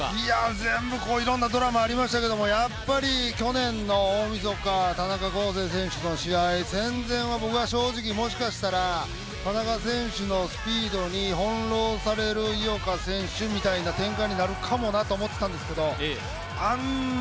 全部いろいろなドラマがありましたけどやっぱり去年の大みそか、田中恒成選手との試合、戦前は僕は正直、田中選手のスピードに翻弄される井岡選手みたいな展開になるかもなと思ってたんですけど、あんな